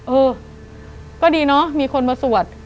เออก็ดีเนอะมีคนมาสวด